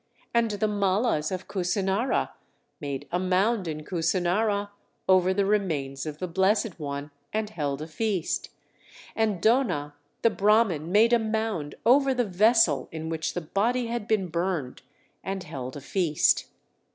And the Mallas of Kusinara made a mound in Kusinara over the remains of the Blessed One, and held a feast. And Dona the Brahman made a mound over the vessel in which the body had been burned, and held a feast.